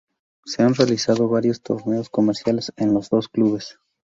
Se han realizado varios torneos comerciales en los dos clubes.